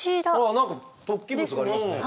あ何か突起物がありますね。